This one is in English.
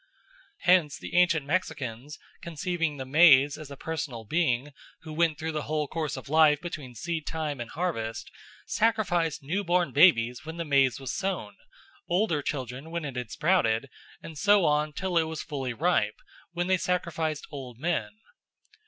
Hence the ancient Mexicans, conceiving the maize as a personal being who went through the whole course of life between seed time and harvest, sacrificed new born babes when the maize was sown, older children when it had sprouted, and so on till it was fully ripe, when they sacrificed old men.